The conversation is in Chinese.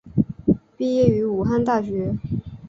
毕业于武汉大学。